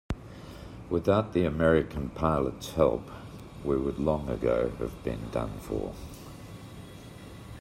Without the American pilots' help, we would long ago have been done for.